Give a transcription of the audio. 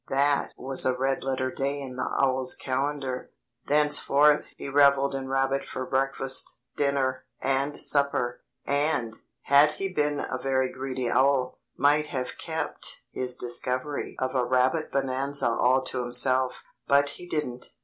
That was a red letter day in the owl's calendar. Thenceforth he revelled in rabbit for breakfast, dinner, and supper, and, had he been a very greedy owl, might have kept his discovery of a rabbit bonanza all to himself; but he didn't.